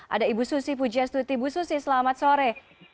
ada ibu susi pujastuti ibu susi selamat sore